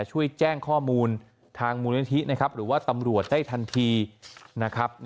ช่วยแจ้งข้อมูลทางมูลนิธินะครับหรือว่าตำรวจได้ทันทีนะครับ